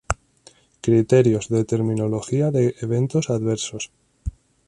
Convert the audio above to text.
Criterios de Terminología de Eventos Adversos